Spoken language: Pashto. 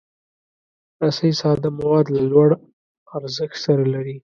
رسۍ ساده مواد له لوړ ارزښت سره لري.